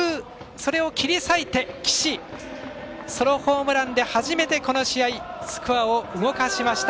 それを切り裂いて、岸ソロホームランで初めて、この試合スコアを動かしました。